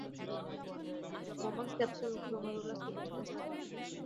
Bowman's capsule গ্লোমেরুলাসকে বেস্টন করে থাকে।